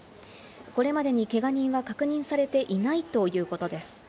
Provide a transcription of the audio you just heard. これまでにけが人は確認されていないということです。